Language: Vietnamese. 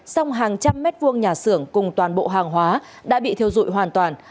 song hàng trăm mét vuông nhà xưởng cùng toàn bộ hàng hóa đã bị thiêu dụi hoàn toàn